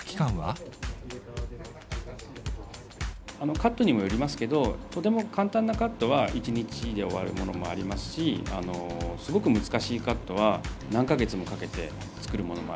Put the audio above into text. カットにもよりますけどとても簡単なカットは１日で終わるものもありますしすごく難しいカットは何か月もかけて作るものもあります。